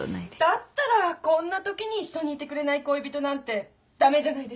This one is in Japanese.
だったらこんなときに一緒にいてくれない恋人なんて駄目じゃないですか？